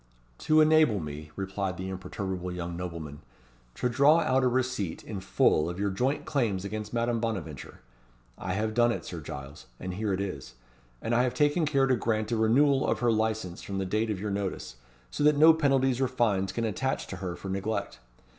"To enable me," replied the imperturbable young nobleman, "to draw out a receipt in full of your joint claims against Madame Bonaventure. I have done it, Sir Giles; and here it is. And I have taken care to grant a renewal of her licence from the date of your notice; so that no penalties or fines can attach to her for neglect.